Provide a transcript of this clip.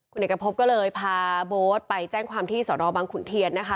คุณเอกพบก็เลยพาโบ๊ทไปแจ้งความที่สอนอบังขุนเทียนนะคะ